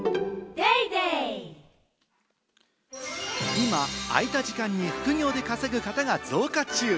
今、空いた時間に副業で稼ぐ方が増加中。